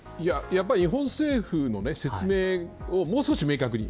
日本政府の説明をもう少し明確に。